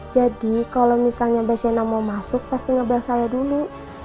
jadi kalau misalnya mbak sienna mau masuk pasti ngebel saya dulu